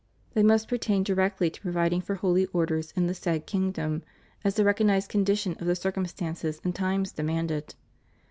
They must pertain directly to providing for Holy Orders in the said kingdom, as the recognized condition of the circumstances and times demanded.